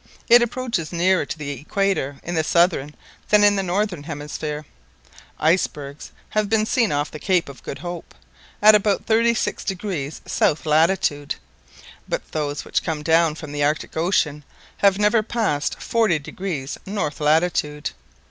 It approaches nearer to the equator in the southern than in the northern hemisphere. Icebergs have been seen off the Cape of Good Hope, at about thirty six degrees south latitude, but those which come down from the Arctic Ocean have never passed forty degrees north latitude.